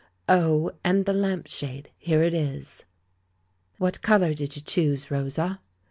*'Oh, and the lamp shade! Here it is." "What colour did you choose, Rosa?"